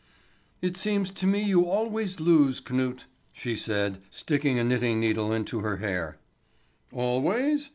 "It seems to me you always lose, Knut," she said, sticking a knitting needle into her hair. "Always?